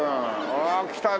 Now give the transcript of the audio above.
わあ来たね